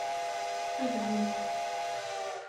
Ad ɣreɣ.